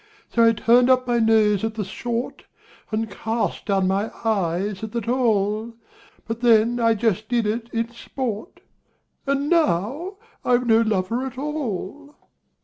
So I turned up my nose at the short, And cast down my eyes at the tall; But then I just did it in sport And now I've no lover at all!